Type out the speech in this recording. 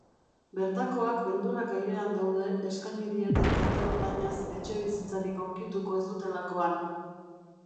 Bertakoak beldurrak airean daude eskaini dieten kalte-ordainaz etxebizitzarik aurkituko ez dutekakoan.